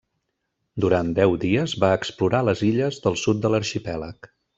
Durant deu dies va explorar les illes del sud de l'arxipèlag.